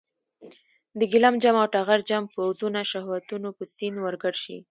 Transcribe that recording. د ګیلم جم او ټغر جم پوځونه شهوتونو په سیند ورګډ شي.